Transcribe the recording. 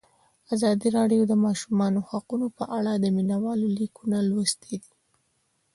ازادي راډیو د د ماشومانو حقونه په اړه د مینه والو لیکونه لوستي.